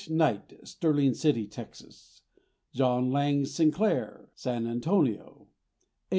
Knight, Sterling City, Texas; John Lang Sinclair, San Antonio; A.